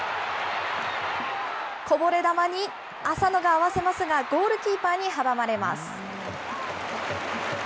こぼれ球に浅野が合わせますが、ゴールキーパーに阻まれます。